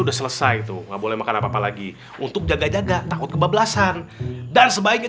udah selesai tuh nggak boleh makan apa apa lagi untuk jaga jaga takut kebablasan dan sebaiknya